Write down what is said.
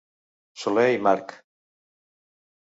Soler i March.